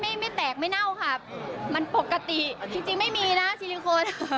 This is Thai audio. ไม่ไม่แตกไม่เน่าค่ะมันปกติจริงไม่มีนะซิลิโคน